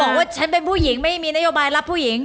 บอกว่าฉันเป็นผู้หญิงไม่มีนโยบายรับผู้หญิง